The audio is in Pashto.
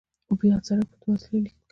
یاد سړک په دوو اصلي لیکو کې